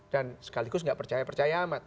dan sekaligus tidak percaya percaya amat